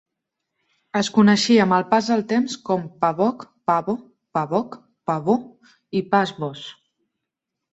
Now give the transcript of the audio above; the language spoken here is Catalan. Es coneixia amb el pas del temps com Paboc, Pabo, Pabok, Pabeau i Pas-bos.